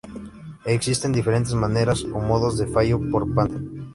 Existen diferentes maneras o modos de fallo por pandeo.